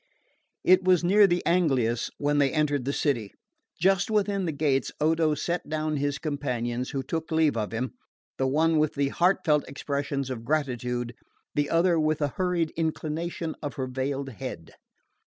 It was near the angelus when they entered the city. Just within the gates Odo set down his companions, who took leave of him, the one with the heartiest expressions of gratitude, the other with a hurried inclination of her veiled head.